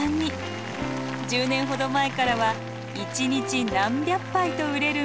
１０年ほど前からは一日何百杯と売れる名物となりました。